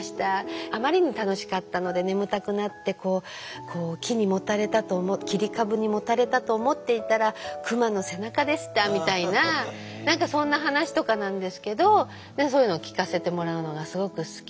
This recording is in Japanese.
あまりに楽しかったので眠たくなって木にもたれたと切り株にもたれたと思っていたらクマの背中でした」みたいな何かそんな話とかなんですけどそういうのを聞かせてもらうのがすごく好きで。